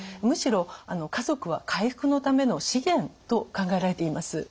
むしろ家族は回復のための資源と考えられています。